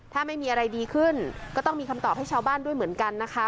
ถ้าไม่มีอะไรดีขึ้นก็ต้องมีคำตอบให้ชาวบ้านด้วยเหมือนกันนะคะ